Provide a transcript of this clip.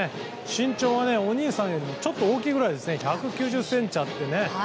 身長はお兄さんよりもちょっと大きいぐらいで１９０ｃｍある。